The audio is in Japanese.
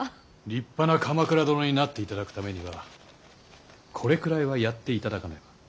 立派な鎌倉殿になっていただくためにはこれくらいはやっていただかねば。